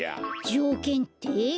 じょうけんって？